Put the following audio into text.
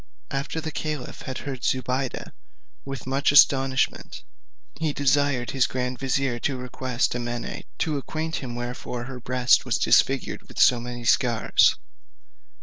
After the caliph had heard Zobeide with much astonishment, he desired his grand vizier to request Amene to acquaint him wherefore her breast was disfigured with so many scars.